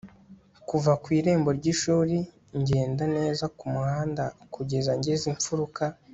kuva ku irembo ryishuri ngenda neza kumuhanda kugeza ngezeimfuruka